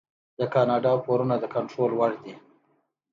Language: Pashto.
د کاناډا پورونه د کنټرول وړ دي.